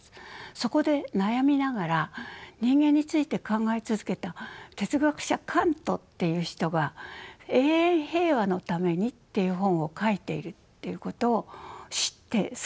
そこで悩みながら人間について考え続けた哲学者カントっていう人が「永遠平和のために」っていう本を書いているっていうことを知ってそれを読みました。